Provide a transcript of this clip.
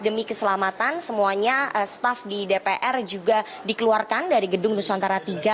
demi keselamatan semuanya staf di dpr juga dikeluarkan dari gedung nusantara tiga